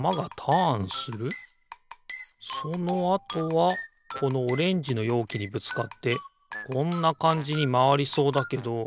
そのあとはこのオレンジのようきにぶつかってこんなかんじにまわりそうだけど。